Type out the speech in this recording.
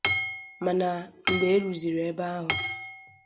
mana mgbe e ruzịrị ebe ahụ